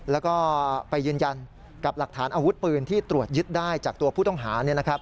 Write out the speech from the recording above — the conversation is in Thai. แล้วก็ไปยืนยันกับหลักฐานอาวุธปืนที่ตรวจยึดได้จากตัวผู้ต้องหา